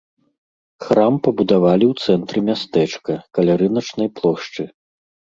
Храм пабудавалі ў цэнтры мястэчка, каля рыначнай плошчы.